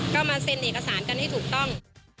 ก็มาเซ็นเอกสารกันให้ถูกต้อง